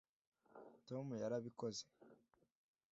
tom yarabikoze